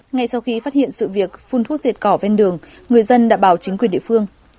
ngay sau khi phát hiện sự việc phun thuốc diệt cỏ ven đường người dân đã báo chính quyền địa phương